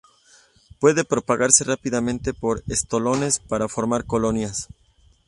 Puede propagarse rápidamente por estolones para formar colonias.